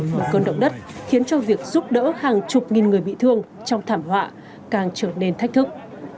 một cơn động đất khiến cho việc giúp đỡ hàng chục nghìn người bị thương trong thảm họa càng trở nên thách thức